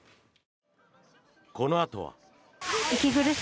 このあとは。